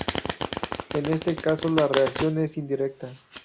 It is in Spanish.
En este caso la reacción es indirecta.